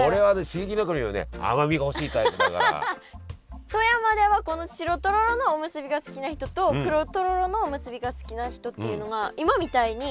刺激の中にもね富山ではこの白とろろのおむすびが好きな人と黒とろろのおむすびが好きな人っていうのが今みたいに。